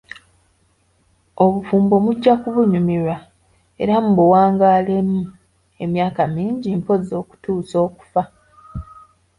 Obufumbo mujja kubunyumirwa era mu buwangaalemu emyaka mingi mpozzi okutuusa okufa.